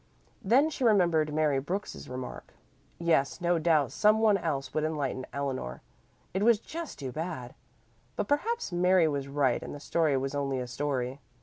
Then she remembered Mary Brooks's remark. Yes, no doubt some one else would enlighten Eleanor. It was just too bad. But perhaps Mary was right and the story was only a story.